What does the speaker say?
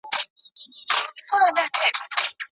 نندارې ته د څپو او د موجونو